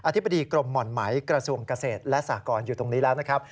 ธิบดีกรมหม่อนไหมกระทรวงเกษตรและสากรอยู่ตรงนี้แล้วนะครับ